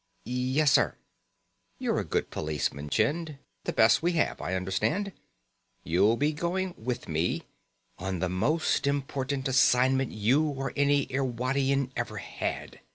"Yes, sir." "You're a good policeman, Chind. The best we have, I understand. You'll be going with me on the most important assignment you or any Irwadian ever had."